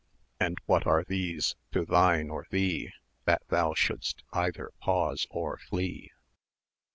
And what are these to thine or thee, That thou shouldst either pause or flee?